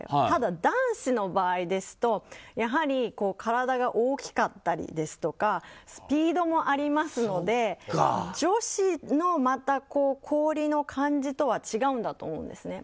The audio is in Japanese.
ただ、男子の場合ですとやはり体が大きかったりですとかスピードもありますので女子の氷の感じとは違うんだと思うんです。